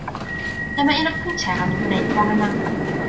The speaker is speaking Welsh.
Dyma un o'r pwyntiau ro'n i'n gwneud bore 'ma.